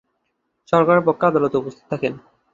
সরকারের পক্ষে আদালতে উপস্থিত থাকেন।